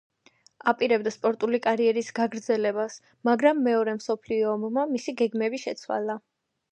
აპირებდა სპორტული კარიერის გაგრძელებას, მაგრამ მეორე მსოფლიო ომმა მისი გეგმები შეცვალა.